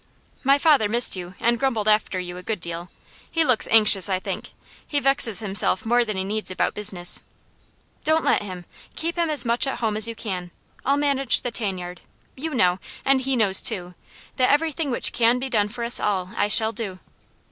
"My father missed you, and grumbled after you a good deal. He looks anxious, I think. He vexes himself more than he needs about business." "Don't let him. Keep him as much at home as you can. I'll manage the tan yard: you know and he knows too that everything which can be done for us all I shall do."